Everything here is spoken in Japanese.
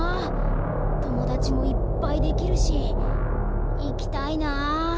ともだちもいっぱいできるしいきたいなあ。